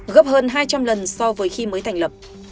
gấp hơn hai trăm linh lần so với khi mới thành lập